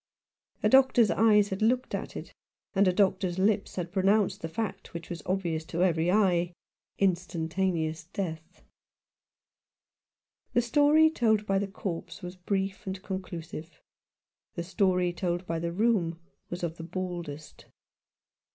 A doctor's eyes had looked at it, and a doctor's lips had pronounced the fact which was obvious to every eye — "instantaneous death." The story told by the corpse was brief and con clusive. The story told by the room was of the baldest.